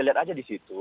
lihat aja di situ